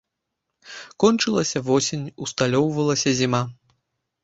Кончылася восень, усталёўвалася зіма.